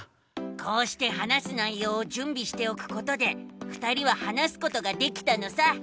こうして話す内ようを準備しておくことでふたりは話すことができたのさ。